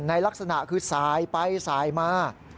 ลักษณะคือสายไปสายมา